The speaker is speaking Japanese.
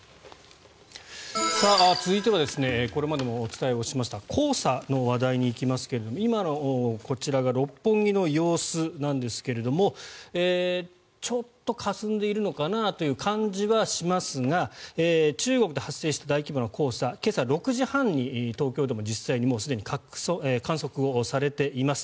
続いてはこれまでもお伝えをしました黄砂の話題に行きますがこちら、今の六本木の様子ですがちょっとかすんでいるのかなという感じはしますが中国で発生した大規模な黄砂今朝、６時半に東京でも実際にもうすでに観測をされています。